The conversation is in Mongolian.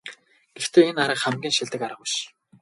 Гэхдээ энэ арга хамгийн шилдэг арга биш.